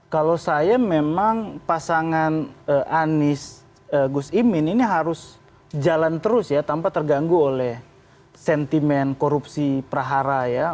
kalau saya memang pasangan anies gus imin ini harus jalan terus ya tanpa terganggu oleh sentimen korupsi prahara ya